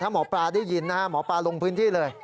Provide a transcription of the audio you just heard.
หมอปลาได้ยินนะฮะหมอปลาลงพื้นที่เลย